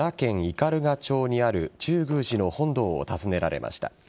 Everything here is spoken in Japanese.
斑鳩町にある中宮寺の本堂を訪ねられました。